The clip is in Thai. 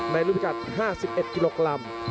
ในรูปริการ๕๑กิโลกรัม